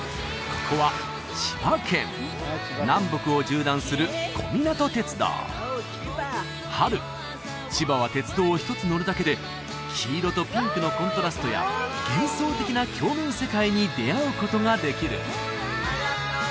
ここは千葉県南北を縦断する小湊鉄道春千葉は鉄道を一つ乗るだけで黄色とピンクのコントラストや幻想的な鏡面世界に出会うことができる